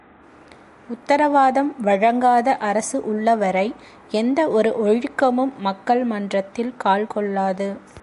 உத்தரவாதம் வழங்காத அரசு உள்ளவரை எந்த ஒரு ஒழுக்கமும் மக்கள் மன்றத்தில் கால் கொள்ளாது.